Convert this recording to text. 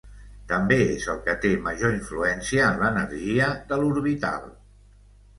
També és el que té major influència en l'energia de l'orbital.